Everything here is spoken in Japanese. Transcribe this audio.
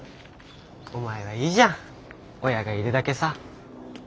お前はいいじゃん親がいるだけさ。